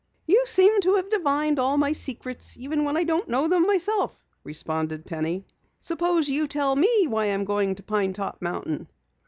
"You seem to have divined all my secrets, even when I don't know them myself," responded Penny. "Suppose you tell me why I am going to Pine Top mountain?"